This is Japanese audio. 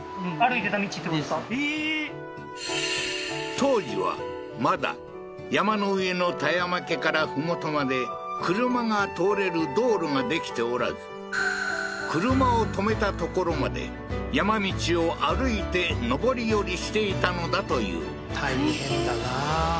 当時はまだ山の上の田山家から麓まで車が通れる道路ができておらず車を止めた所まで山道を歩いて上り下りしていたのだという大変大変だな